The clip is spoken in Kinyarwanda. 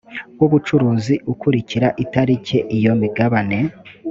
w ubucuruzi ukurikira itariki iyo migabane